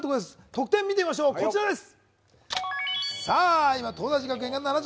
得点見てみましょう、こちらです。